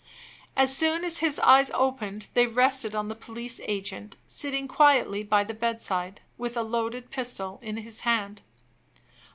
As soon as his eyes opened they rested on the police agent, sitting quietly by the bedside, with a loaded pistol in his hand.